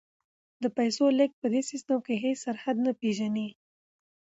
د پیسو لیږد په دې سیستم کې هیڅ سرحد نه پیژني.